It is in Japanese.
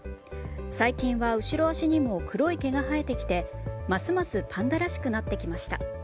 最近は後ろ足にも黒い毛が生えてきてますますパンダらしくなってきました。